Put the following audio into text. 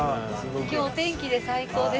今日お天気で最高です。